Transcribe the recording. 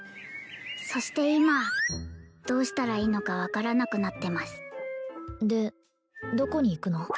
そして今どうしたらいいのか分からなくなってますでどこに行くの？